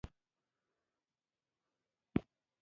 احمدشاه بابا به د علماوو درناوی کاوه.